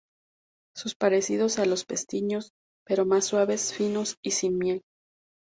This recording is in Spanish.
Son parecidos a los pestiños, pero más suaves, finos y sin miel.